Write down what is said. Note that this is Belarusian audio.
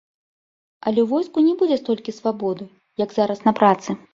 Але ў войску не будзе столькі свабоды, як зараз на працы.